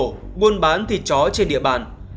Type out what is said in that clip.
nguồn bán thịt chó trên địa bàn